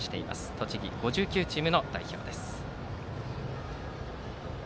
栃木５９チームの代表です。